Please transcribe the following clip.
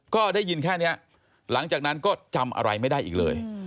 ก็ได้ยินแค่นี้หลังจากนั้นก็จำอะไรไม่ได้อีกเลย